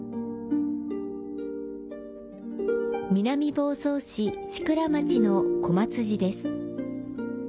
南房総市千倉町の小松寺です。